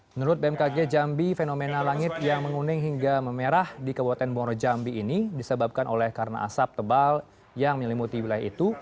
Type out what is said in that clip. menurut bmkg jambi fenomena langit yang menguning hingga memerah di kabupaten bono jambi ini disebabkan oleh karena asap tebal yang menyelimuti wilayah itu